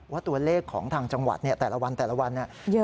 ว่าตัวเลขของทางจังหวัดแต่ละวันแต่ละวัน